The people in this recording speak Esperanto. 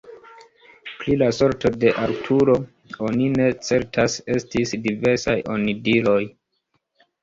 Pri la sorto de Arturo oni ne certas: estis diversaj onidiroj.